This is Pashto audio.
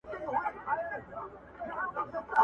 د دریدو توان وي